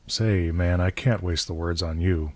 say, Man, I can't waste the words on you.